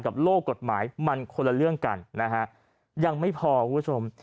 โลกกฎหมายมันคนละเรื่องกันนะฮะยังไม่พอคุณผู้ชม